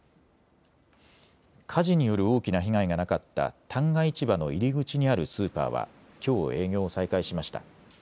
火事による大きな被害がなかった旦過市場の入り口にあるスーパーはきょう営業を再開しました。